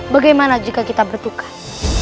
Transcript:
bagaimana jika kita bertukar